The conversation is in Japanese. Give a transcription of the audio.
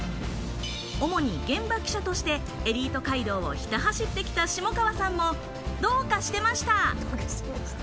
主に現場記者としてエリート街道をひた走ってきた下川さんも、どうかしてました！